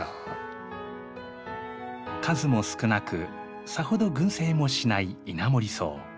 数も少なくさほど群生もしないイナモリソウ。